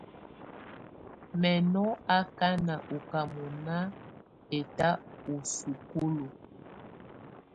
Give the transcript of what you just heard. Mɛ̀ nɔ̀ akana ɔ ká mɔ̀nà ɛtà ù sukulu.